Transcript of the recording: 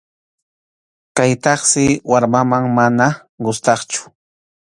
Kaytaqsi warmaman mana gustasqachu.